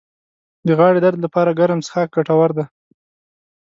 د غاړې درد لپاره ګرم څښاک ګټور دی